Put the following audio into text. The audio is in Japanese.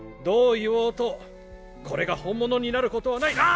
どう言おうとこれが本物になることはない。